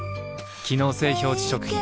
機能性表示食品